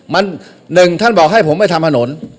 มัน๑ท่านบอกให้ผมไปทำถนน